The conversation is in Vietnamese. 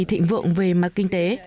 thịnh vượng về mặt kinh tế